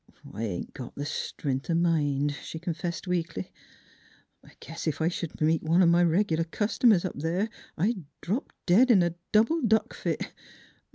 " I ain't got th' stren'th o' mind," she confessed weakly. " I guess ef I sh'd meet one o' m' reg'lar cust'mers up there I'd drop dead in a double duck fit.